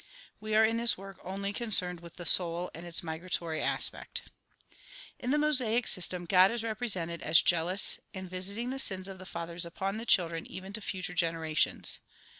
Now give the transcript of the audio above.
We are in this work only con cerned with the soul in its migratory aspect. In the Mosaic system God is represented as jealous and visiting the sins of the fathers upon the children even to future generations.